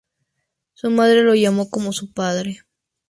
Su madre lo llamó como su padre.